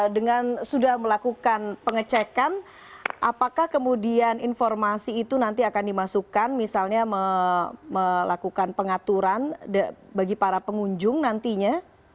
dengan sudah melakukan pengecekan apakah kemudian informasi itu nanti akan dimasukkan misalnya melakukan pengaturan bagi para pengunjung nantinya